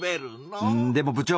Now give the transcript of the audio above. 「うんでも部長！」。